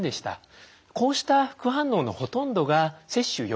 こうした副反応のほとんどが接種